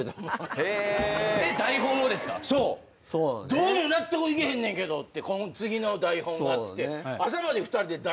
どうも納得いけへんねんけどって次の台本がっつって。